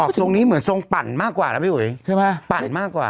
ทรงนี้เหมือนทรงปั่นมากกว่านะพี่อุ๋ยใช่ไหมปั่นมากกว่า